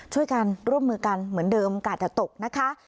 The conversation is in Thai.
ช่วยกันร่วมมือกันเหมือนเดิมกาศอย่าตกนะคะ